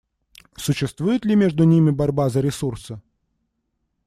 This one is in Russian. Существует ли между ними борьба за ресурсы?